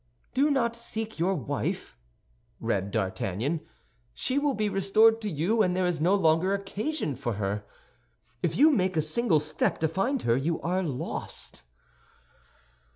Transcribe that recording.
"'Do not seek your wife,'" read D'Artagnan; "'she will be restored to you when there is no longer occasion for her. If you make a single step to find her you are lost.